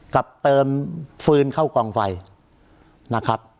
กับเติมฟืนเข้ากองไฟนะครับ